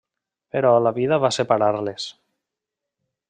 Però la vida va separar-les.